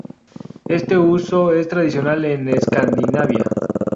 Este último uso es tradicional en Escandinavia.